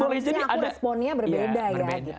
menurutnya aku responnya berbeda ya gitu loh